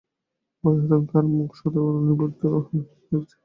ভয়ে আতঙ্কে তার মুখ সাদা হয়ে গেছে।